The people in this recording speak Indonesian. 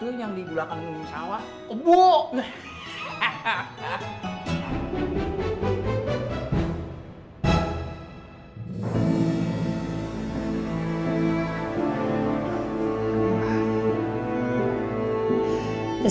harusnya weekend ini menjadi hari yang berbahagia buat kita semua